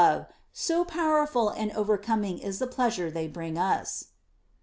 love, so powerful and overcoming is the pleasure they bring us.